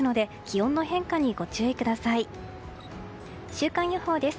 週間予報です。